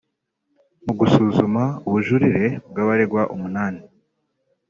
Mu gusuzuma ubujurire bw’abaregwa umunani